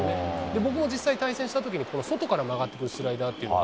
僕も対戦した時この外から曲がってくるスライダーというのが